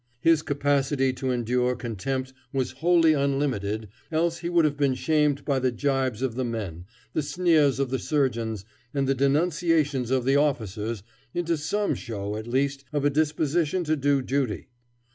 His capacity to endure contempt was wholly unlimited, else he would have been shamed by the gibes of the men, the sneers of the surgeons, and the denunciations of the officers, into some show, at least, of a disposition to do duty.